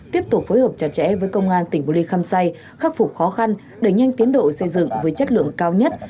tiếp tục phối hợp chặt chẽ với công an tỉnh bô lê khăm say khắc phục khó khăn đẩy nhanh tiến độ xây dựng với chất lượng cao nhất